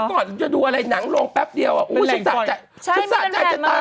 เมื่อก่อนจะดูอะไรหนังลงแป๊บเดียวอ่ะโอ๊ยฉันสะใจจะตาย